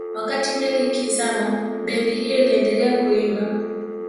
wakati meli ikizama bendi hiyo iliendelea kuimba